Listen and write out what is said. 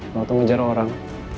waktu ngejar orang